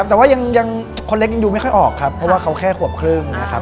แต่ว่ายังคนเล็กยังดูไม่ค่อยออกครับเพราะว่าเขาแค่ขวบครึ่งนะครับ